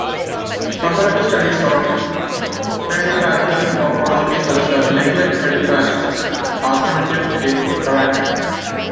Comparative studies of pedipalpal morphology may suggest that leg-like pedipalps are primitive in arachnids.